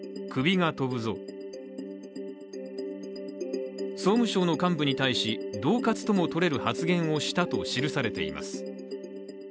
しかし総務省の幹部に対し、どう喝ともとれる発言をしたと記されています。